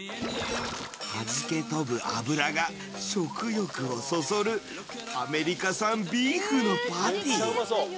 はじけ飛ぶ脂が食欲をそそるアメリカ産ビーフのパティ。